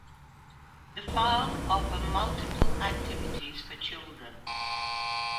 The farm offer multiple activities for children.